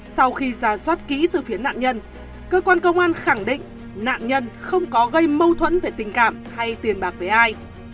sau khi ra soát kỹ từ phía nạn nhân cơ quan công an khẳng định nạn nhân không có gây mâu thuẫn về tình cảm hay tiền bạc với ai